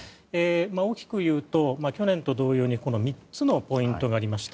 大きく言うと去年と同様に３つのポイントがありました。